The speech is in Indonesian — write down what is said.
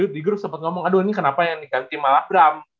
di grup sempat ngomong aduh ini kenapa yang diganti malah bram